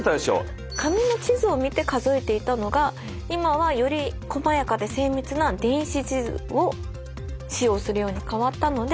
紙の地図を見て数えていたのが今はより細やかで精密な電子地図を使用するように変わったので。